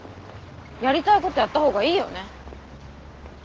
やりたいことやった方がいいよね？